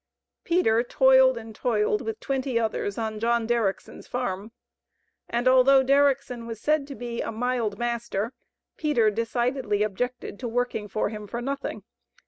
Peter toiled and toiled, with twenty others, on John Derrickson's farm. And although Derrickson was said to be a "mild master," Peter decidedly objected to working for him for nothing.